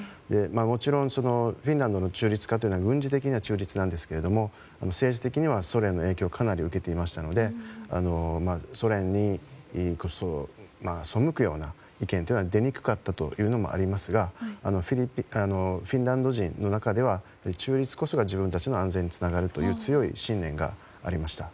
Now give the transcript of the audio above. もちろん、フィンランドの中立化というのは軍事的には中立なんですけど、政治的にはソ連の影響をかなり受けていたのでソ連に背くような意見は出にくかったということもありますがフィンランド人の中では中立こそが自分たちの安全につながるという強い信念がありました。